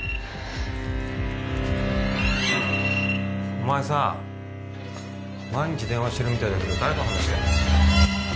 お前さ毎日電話してるみたいだけど誰と話してんの？